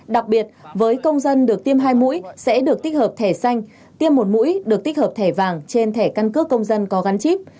đặc biệt với công dân được tiêm hai mũi sẽ được tích hợp thẻ xanh tiêm một mũi được tích hợp thẻ vàng trên thẻ căn cước công dân có gắn chip